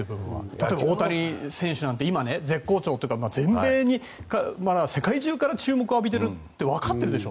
例えば、大谷選手なんて今、絶好調というか世界中から注目を浴びているって分かっているでしょ。